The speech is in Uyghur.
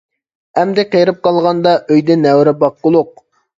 ئەمدى قىرىپ قالغاندا، ئۆيدە نەۋرە باققۇلۇق.